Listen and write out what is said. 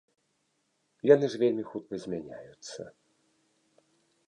Яны ж вельмі хутка змяняюцца.